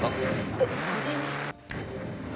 えっ小銭？